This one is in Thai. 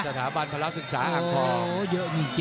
สถาบันภรรยาศึกษาฮังคอ